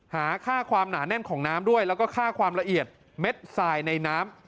หาค่าความหนาแน่นของน้ำด้วยแล้วก็ค่าความละเอียดเม็ดทรายในน้ำ